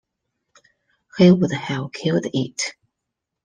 He would have killed it.